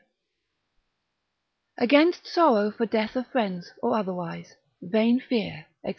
V. _Against Sorrow for Death of Friends or otherwise, vain Fear, &c.